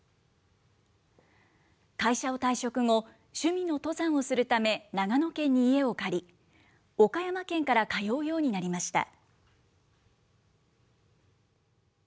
会社を退職後、趣味の登山をするため長野県に家を借り、岡山県から通うようになりました。